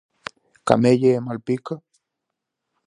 Camelle e Malpica?